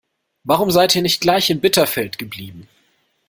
Warum seid ihr nicht gleich in Bitterfeld geblieben?